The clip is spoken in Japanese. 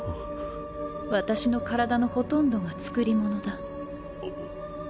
私の体のほとんどが作りものだ